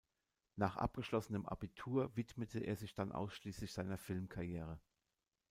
Nach abgeschlossenem Abitur widmete er sich dann ausschließlich seiner Filmkarriere.